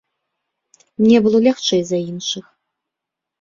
Мне было лягчэй за іншых.